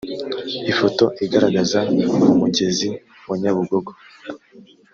ifoto igaragaza umugezi wa nyabugogo